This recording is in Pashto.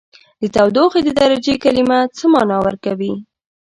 د تودوخې د درجې کلمه څه معنا ورکوي؟